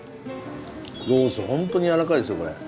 ロースホントにやわらかいですよこれ。